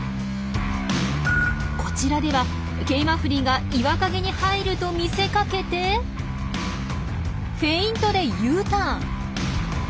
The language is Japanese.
こちらではケイマフリが岩陰に入ると見せかけてフェイントでＵターン！